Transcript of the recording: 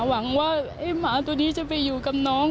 หวังว่าไอ้หมาตัวนี้จะไปอยู่กับน้อง